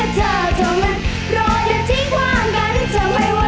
รออย่าทิ้งกว้างกันจำให้หัวใจฉันปิ่นโบ